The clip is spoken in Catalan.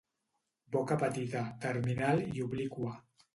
Boca petita, terminal i obliqua.